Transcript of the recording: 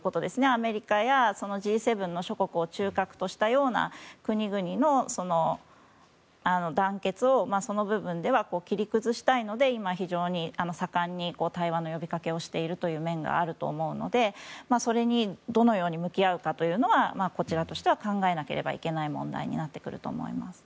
アメリカやＧ７の諸国を中核としたような国々の団結をその部分では切り崩したいので今、非常に盛んに対話の呼びかけをしているという面があると思うのでそれにどのように向き合うかというのはこちらとしては考えなければいけない問題だと思っています。